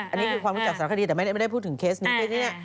อันนี้คือความรู้จักสารคดีแต่ไม่ได้พูดถึงเคสนี้